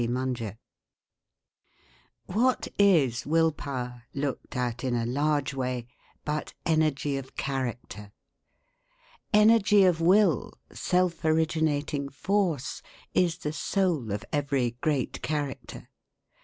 Munger_. What is will power, looked at in a large way, but energy of character? Energy of will, self originating force, is the soul of every great character.